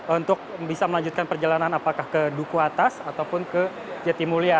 untuk bisa melanjutkan perjalanan apakah ke duku atas ataupun ke jatimulia